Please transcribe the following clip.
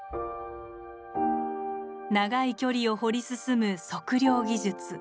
長い距離を掘り進む測量技術。